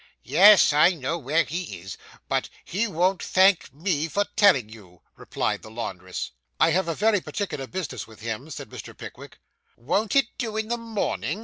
'Yes, I know where he is, but he won't thank me for telling you,' replied the laundress. 'I have very particular business with him,' said Mr. Pickwick. 'Won't it do in the morning?